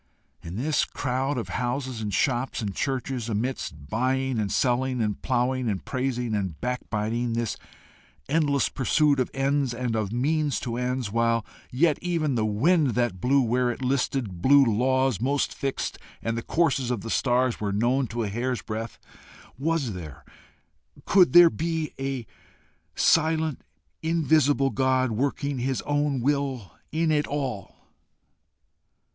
In this crowd of houses and shops and churches, amidst buying and selling, and ploughing and praising and backbiting, this endless pursuit of ends and of means to ends, while yet even the wind that blew where it listed blew under laws most fixed, and the courses of the stars were known to a hair's breadth, was there could there be a silent invisible God working his own will in it all?